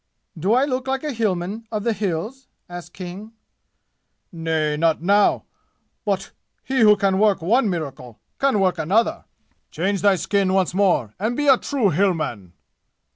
"Do I look like a Hillman of the 'Hills'?" asked King. "Nay, not now. But he who can work one miracle can work another. Change thy skin once more and be a true Hillman!"